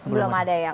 belum ada ya